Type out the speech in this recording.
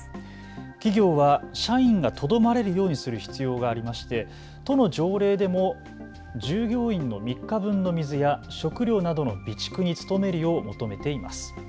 企業は社員がとどまれるようにする必要がありまして、都の条例でも従業員の３日分の水や食料などの備蓄に努めるよう求めています。